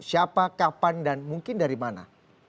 siapa kapan dan mungkin dari mana